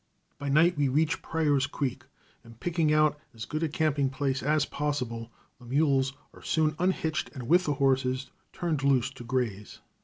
By night we reach Pryor's Creek, and picking out as good a camping place as possible, the mules are soon unhitched and with the horses turned loose to graze.